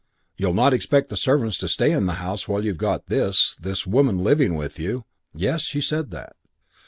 You'll not expect the servants to stay in the house while you've got this this woman living with you ' (Yes, she said that.)